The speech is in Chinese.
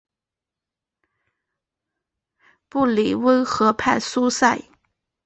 布里翁河畔苏塞。